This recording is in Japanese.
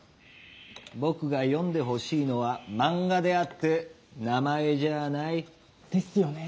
僕が読んでほしいのは漫画であって名前じゃあない。ですよね。